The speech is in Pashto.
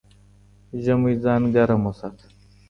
ژمی ځان ګرم وساته